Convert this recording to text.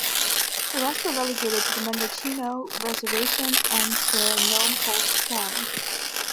The rest were relegated to the Mendocino Reservation and the Nome Cult Farm.